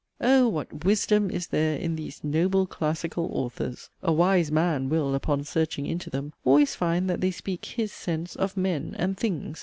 Oh! what 'wisdom' is there in these 'noble classical authors!' A 'wise man' will (upon searching into them,) always find that they speak 'his' sense of 'men' and 'things.'